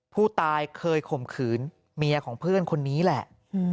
ผู้ตายเคยข่มขืนเมียของเพื่อนคนนี้แหละ